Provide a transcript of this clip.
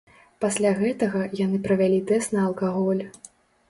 Пасля гэтага яны правялі тэст на алкаголь.